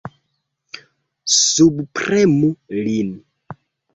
Subpremu lin!